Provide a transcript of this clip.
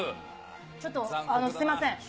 ちょっとすみません。